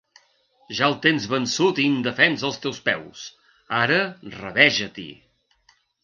Ja el tens vençut i indefens als teus peus: ara rabeja-t'hi.